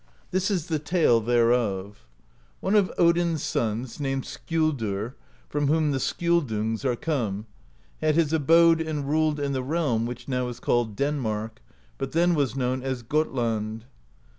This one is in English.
This is the tale thereof: One of Odin's sons, named Skjoldr, — from whom the Skjoldungs are come, — had his abode and ruled in the realm which now is called Denmark, but then was known as Gotland.